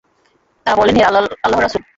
তাঁরা বললেনঃ হে আল্লাহর রাসূল!